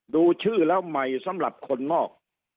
ดูชื่อแล้วใหม่สำหรับคนนอก